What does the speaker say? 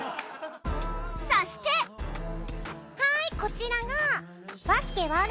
そしてはーい！こちらが。